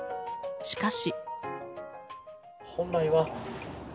しかし。